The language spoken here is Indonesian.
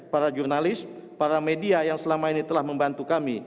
para jurnalis para media yang selama ini telah membantu kami